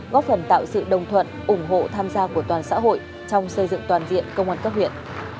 góp phần tạo sự đồng thuận ủng hộ tham gia của toàn xã hội trong xây dựng toàn diện công an cấp huyện